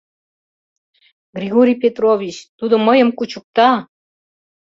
— Григорий Петрович, тудо мыйым кучыкта!